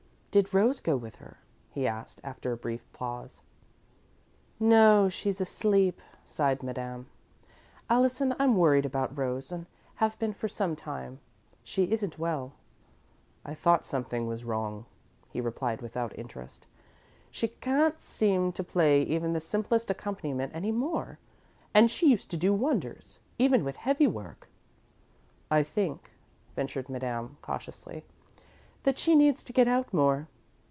"Did Rose go with her?" he asked, after a brief pause. "No, she's asleep," sighed Madame. "Allison, I'm worried about Rose and have been for some time. She isn't well." "I thought something was wrong," he replied, without interest. "She can't seem to play even the simplest accompaniment any more, and she used to do wonders, even with heavy work." "I think," ventured Madame, cautiously, "that she needs to get out more.